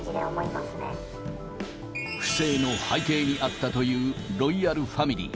ま不正の背景にあったというロイヤルファミリー。